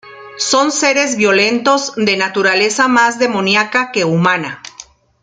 Son seres violentos, de naturaleza más demoníaca que humana.